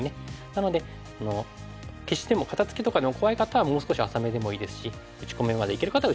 なので消しでも肩ツキとかでも怖い方はもう少し浅めでもいいですし打ち込みまでいける方は打ち込み。